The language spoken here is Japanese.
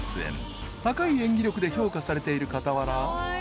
［高い演技力で評価されている傍ら］